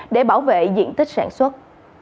để bảo vệ diện tích sản xuất